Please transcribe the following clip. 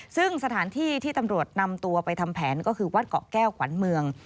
ซึ่งสถานที่ที่ตำรวจนำตัวไปทำแผนก็คือวัดเกาะแก้วขวัญเมือง